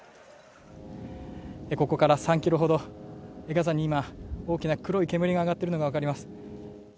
ここから３ｋｍほどガザに今、大きな煙が上がっているのが分かります。